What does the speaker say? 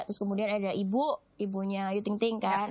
terus kemudian ada ibu ibunya yuting tink kan